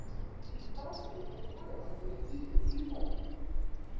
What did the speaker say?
Il passe sous le contrôle d'un homme politique, Jules Malou.